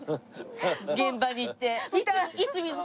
現場に行って。